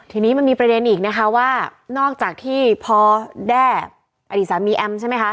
ทีนี้มันมีประเด็นอีกนะคะว่านอกจากที่พอแด้อดีตสามีแอมใช่ไหมคะ